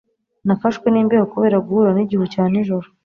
Nafashwe n'imbeho kubera guhura nigihu cya nijoro.